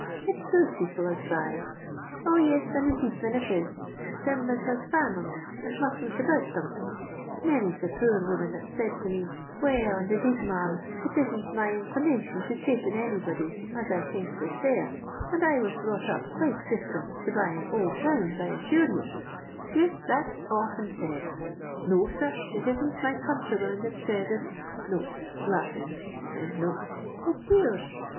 It's poor people as buys: 0, yis, and indeed thin it is, thim as has famines, and must look about thim. Many 'I the poor woman that 's said to me, ' Well, and indeed, marm, it isn't my inclination to chapen anybody as I thinks is fair, and I was brought up quite different to buying old gowns, I assure yoa' — yis, that 's often said ; no, sir, it isn't my coun trywomen that says it, it *s yours.